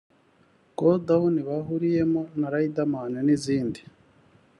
‘ Go down’ bahuriyemo na Riderman n’izindi